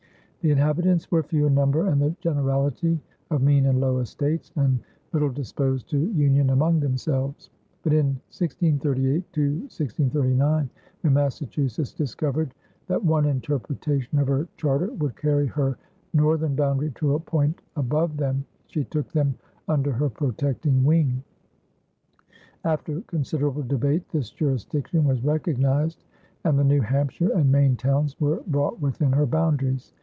The inhabitants were few in number, and "the generality, of mean and low estates," and little disposed to union among themselves. But in 1638 1639, when Massachusetts discovered that one interpretation of her charter would carry her northern boundary to a point above them, she took them under her protecting wing. After considerable debate this jurisdiction was recognized and the New Hampshire and Maine towns were brought within her boundaries.